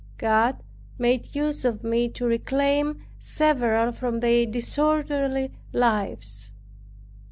God made use of me to reclaim several from their disorderly lives.